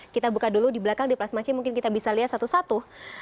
kita buka dulu di belakang di plasma ch mungkin kita bisa lihat satu satu